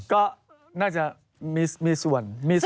ก็น่าจะมีส่วน